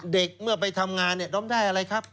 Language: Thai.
เมื่อไปทำงานเนี่ยร้องได้อะไรครับ